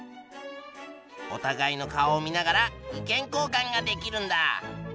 おたがいの顔を見ながら意見交換ができるんだ。